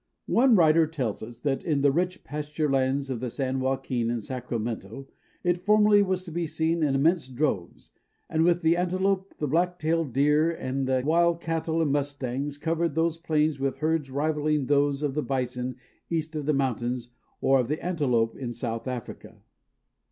One writer tells us that "in the rich pasture lands of the San Joaquin and Sacramento it formerly was to be seen in immense droves and with the antelope, the black tailed deer, the wild cattle and mustangs covered those plains with herds rivalling those of the bison east of the mountains or of the antelope in South Africa."